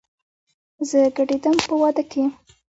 زه ګډېدم په وادۀ کې